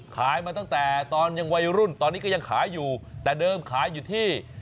มาตั้งแต่ตอนยังวัยรุ่นตอนนี้ก็ยังขายอยู่แต่เดิมขายอยู่ที่